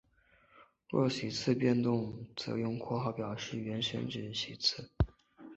若席次变动则用括号表示原选举席次。